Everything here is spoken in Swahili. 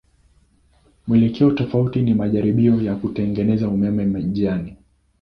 Mwelekeo tofauti ni majaribio ya kutengeneza umeme njiani.